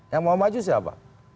yang mau maju siapa